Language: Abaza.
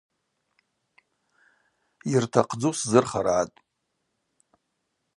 Йыртахъдзу сзырхаргӏатӏ.